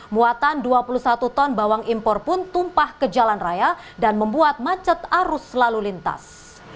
muatan dua puluh satu ton bawang impor pun tumpah ke jalan raya dan membuat macet arus lalu lintas